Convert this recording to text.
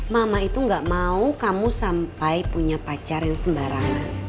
mama itu gak mau kamu sampai punya pacar yang sembarangan